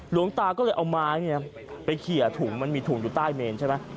หลวงตาก็เลยเอาไม้ไปเขี่ยถุงมันมีถุงอยู่ใต้เมนใช่ไหม